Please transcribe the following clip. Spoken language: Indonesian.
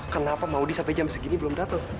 kenapa maudie sampai jam segini belum datang